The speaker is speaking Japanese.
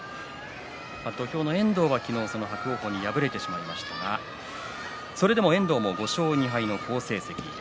遠藤は昨日伯桜鵬に敗れてしまいましたがそれでも５勝２敗と好成績です。